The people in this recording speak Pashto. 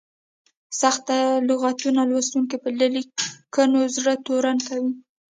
سخت لغتونه لوستونکي له لیکنو زړه تورن کوي.